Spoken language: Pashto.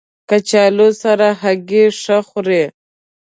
کچالو سره هګۍ ښه خوري